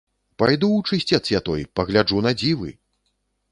Пайду ў чысцец я той, пагляджу на дзівы!